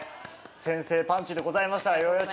先制パンチでございましたよよよ